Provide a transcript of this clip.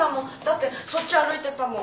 だってそっち歩いてったもん。